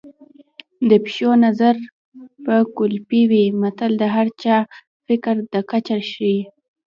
د پيشو نظر به کولپۍ وي متل د هر چا د فکر کچه ښيي